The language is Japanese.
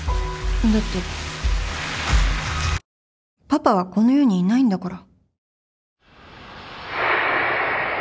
パパはこの世にいないんだから